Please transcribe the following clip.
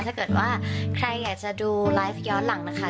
ถ้าเกิดว่าใครอยากจะดูไลฟ์ย้อนหลังนะคะ